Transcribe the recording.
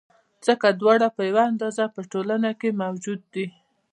ځکه دواړه په یوه اندازه په ټولنه کې موجود دي.